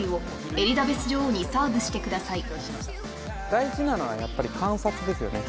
大事なのはやっぱり観察ですよね